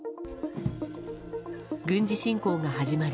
軍事侵攻が始まり